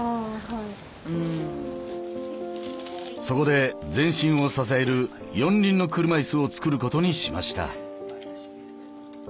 そこで全身を支える４輪の車いすを作ることにしました。